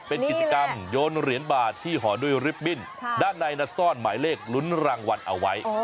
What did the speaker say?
เป็นกิจกรรมโยนเหรียญบาทที่ห่อด้วยริปบิ้นด้านในซ่อนหมายเลขลุ้นรางวัลเอาไว้